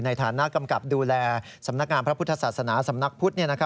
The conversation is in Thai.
ในฐานะกำกับดูแลสำนักงานพระพุทธศาสนาสำนักพุทธ